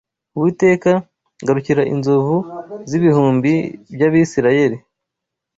Uwiteka, garukira inzovu z’ibihumbi by’Abisirayeli